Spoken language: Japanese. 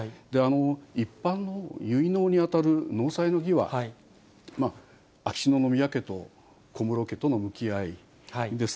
一般の結納に当たる納采の儀は、秋篠宮家と小室家との向き合いです。